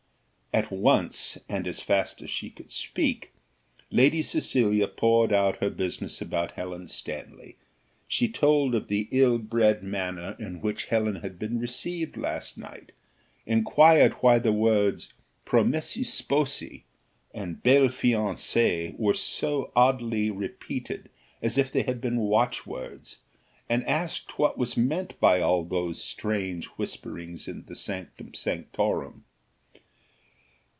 At once, and as fast as she could speak, Lady Cecilia poured out her business about Helen Stanley. She told of the ill bred manner in which Helen had been received last night; inquired why the words promessi sposi and belle fiancée were so oddly repeated, as if they had been watchwords, and asked what was meant by all those strange whisperings in the sanctum sanctorum.